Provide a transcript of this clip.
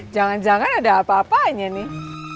jangan jangan ada apa apa aja nih